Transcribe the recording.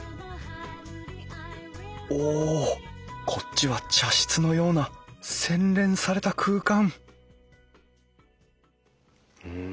おこっちは茶室のような洗練された空間うん